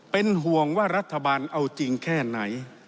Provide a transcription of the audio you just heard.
เป็นห่วงว่ารัฐบาลเอาจริงแค่ไหน